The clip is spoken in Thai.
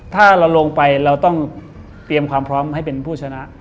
ถ้าเราลงไปเราต้องเตรียมความพร้อมให้เป็นผู้ชนะ